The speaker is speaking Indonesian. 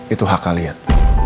itu hak kalian